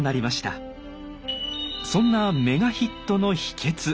そんなメガヒットの「秘訣」